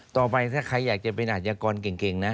ต่อไปถ้าใครอยากจะเป็นอาชญากรเก่งนะ